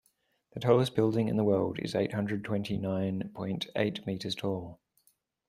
The tallest building in the world is eight hundred twenty nine point eight meters tall.